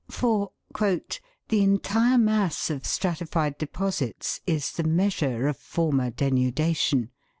For " the entire mass of stratified deposits is the measure of former denudation."